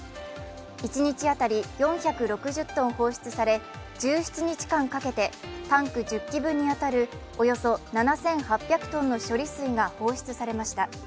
一日当たり４６０ｔ放出され１７日間かけてタンク１０基分に当たるおよそ７８００ｔの処理水が放出されました。